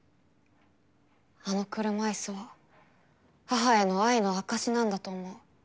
あの車椅子は母への愛の証しなんだと思う。